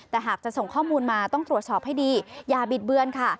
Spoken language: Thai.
แต่หากจะส่งข้อมูลมาต้องตรวจสอบให้ดีอย่าบิดเบือนค่ะ